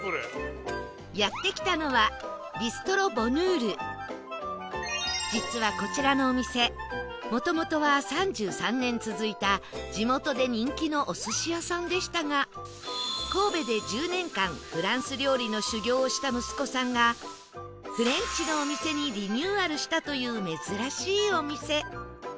やって来たのは実はこちらのお店もともとは３３年続いた地元で人気のお寿司屋さんでしたが神戸で１０年間フランス料理の修業をした息子さんがフレンチのお店にリニューアルしたという珍しいお店